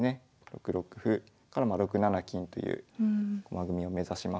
６六歩から６七金という駒組みを目指します。